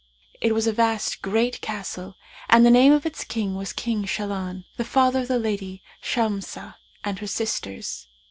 It was a vast great castle and the name of its king was King Shahlan, the father of the lady Shamsah and her sisters.